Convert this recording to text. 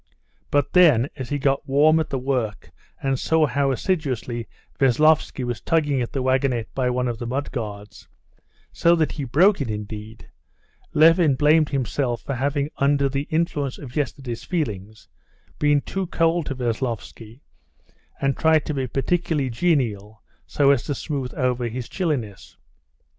But then, as he got warm at the work and saw how assiduously Veslovsky was tugging at the wagonette by one of the mud guards, so that he broke it indeed, Levin blamed himself for having under the influence of yesterday's feelings been too cold to Veslovsky, and tried to be particularly genial so as to smooth over his chilliness.